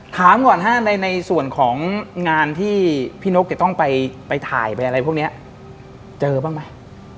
ถามก่อนฮะในส่วนของงานที่พี่นกจะต้องไปถ่ายไปอะไรพวกนี้เจอบ้างไหม